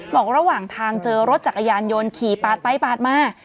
บอกระหว่างทางเจอรถจักรยานยนต์ขี่ปาดไปปาดมา